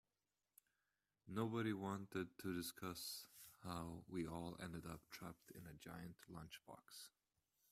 Nobody wanted to discuss how we all ended up trapped in a giant lunchbox.